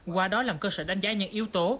qua đó làm cơ sở đánh giá những yếu tố